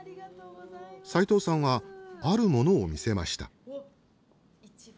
齋藤さんはあるものを見せました。